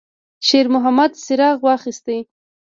شېرمحمد څراغ واخیست.